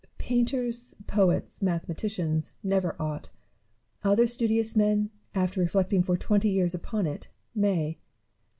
Painters, poets, mathematicians, never ought : other studious men, after reflecting for twenty years upon it, may.